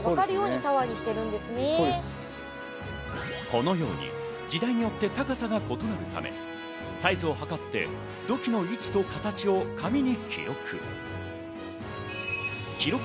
このように時代によって高さが異なるため、サイズを測って土器の位置と形を紙に記録。